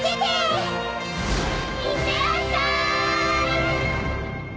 いってらっしゃい！